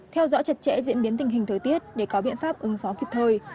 theo dõi chặt chẽ diễn biến tình hình thời tiết để có biện pháp ứng phó kịp thời